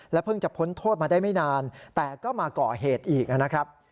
เพิ่งจะพ้นโทษมาได้ไม่นานแต่ก็มาก่อเหตุอีกนะครับ